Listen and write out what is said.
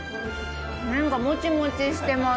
なんかモチモチしてます